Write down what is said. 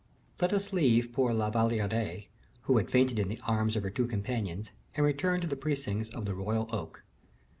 Let us leave poor La Valliere, who had fainted in the arms of her two companions, and return to the precincts of the royal oak.